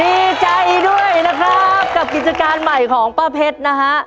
ดีใจด้วยนะครับกับกิจการใหม่ของป้าเพชรนะฮะ